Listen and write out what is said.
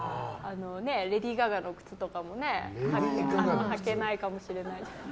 レディー・ガガの靴とかも履けないかもしれないし。